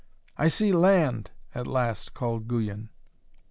'I see land!' at last called Guyon.